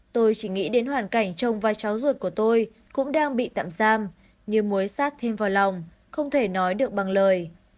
tôi chỉ nghĩ đến hoàn cảnh trong vai cháu ruột của tôi cũng đang bị tạm giam như muối sát thêm vào lòng không thể nói được bằng lời